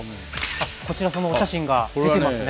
あっこちらそのお写真が出てますね。